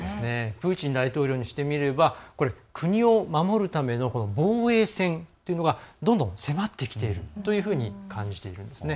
プーチン大統領にしてみれば国を守るための防衛線というのがどんどん迫ってきているというふうに感じているんですね。